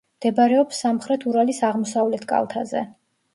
მდებარეობს სამხრეთ ურალის აღმოსავლეთ კალთაზე.